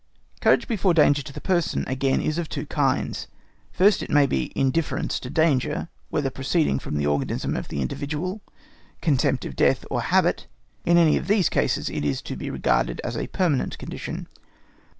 Courage before danger to the person, again, is of two kinds. First, it may be indifference to danger, whether proceeding from the organism of the individual, contempt of death, or habit: in any of these cases it is to be regarded as a permanent condition.